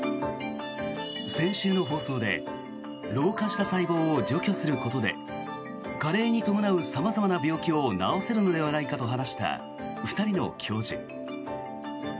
先週の放送で老化した細胞を除去することで加齢に伴う様々な病気を治せるのではないかと話した２人の教授。